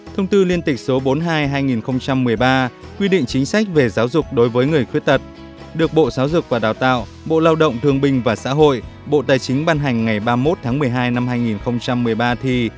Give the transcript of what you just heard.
thông tư liên tịch số bốn mươi hai hai nghìn một mươi ba quy định chính sách về giáo dục đối với người khuyết tật được bộ giáo dục và đào tạo bộ lao động thương bình và xã hội bộ tài chính ban hành ngày ba mươi một tháng một mươi hai năm hai nghìn một mươi ba thì